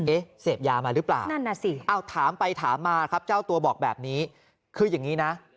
เอ๊ะเสพยามาหรือเปล่าถามไปถามมาครับเจ้าตัวบอกแบบนี้